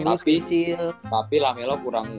tapi lah melo kurang